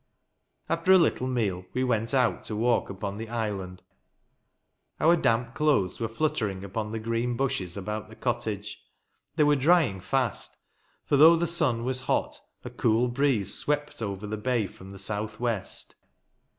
After a little meal, we went out to walk upon the island. Our damp clothes were fluttering upon the green bushes about the cottage. They were dry ing fast ; for, though the sun was hot, a ccol breeze swept over the bay from the south west.